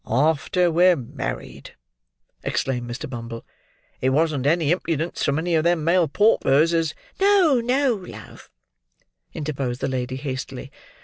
"After we're married!" exclaimed Mr. Bumble. "It wasn't any impudence from any of them male paupers as—" "No, no, love!" interposed the lady, hastily.